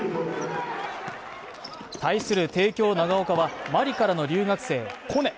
対する帝京長岡はマリからの留学生・コネ。